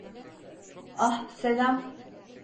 Ah, selam.